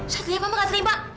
satria mama gak terima